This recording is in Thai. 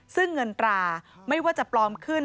ซึ่งเงินตราไม่ว่าจะปลอมขึ้น